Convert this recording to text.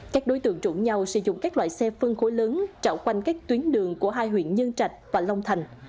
các đối tượng trụ nhau sử dụng các loại xe phân khối lớn trạo quanh các tuyến đường của hai huyện nhân trạch và long thành